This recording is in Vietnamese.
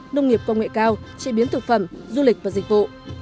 nông nghiệp công nghệ cao chế biến thực phẩm du lịch và dịch vụ